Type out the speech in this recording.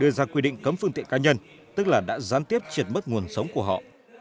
thì hà nội đưa ra quy định cấm phương tiện cá nhân tức là đã gián tiếp triệt mất nguồn sống của họ